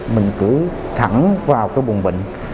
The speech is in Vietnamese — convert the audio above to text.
mình cứ thẳng vào cái bùn bệnh